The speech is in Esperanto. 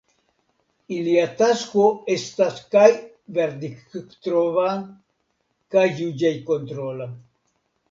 Ilia tasko estas kaj verdikttrova kaj juĝejkontrola.